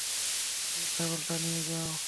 Please, ছাগলটা নিয়ে যাও।